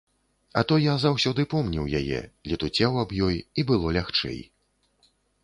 А то я заўсёды помніў яе, летуцеў аб ёй, і было лягчэй.